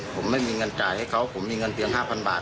ผมไม่มีเงินจ่ายให้เขาผมมีเงินเพียง๕๐๐บาท